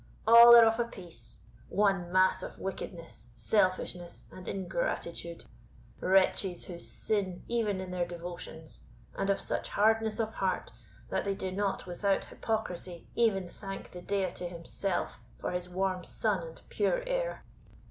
All are of a piece, one mass of wickedness, selfishness, and ingratitude wretches, who sin even in their devotions; and of such hardness of heart, that they do not, without hypocrisy, even thank the Deity himself for his warm sun and pure air."